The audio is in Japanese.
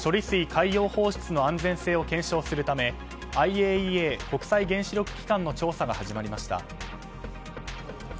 水海洋放出の安全性を検証するためＩＡＥＡ・国際原子力機関の調査が始まりました。